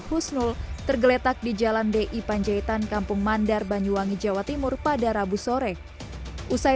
husnul tergeletak di jalan di panjaitan kampung mandar banyuwangi jawa timur pada rabu sore usai